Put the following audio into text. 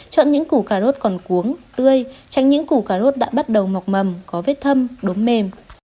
chọn những củ cà rốt còn cuống tươi tránh những củ cà rốt đã bắt đầu mọc mầm có vết thâm đốm mềm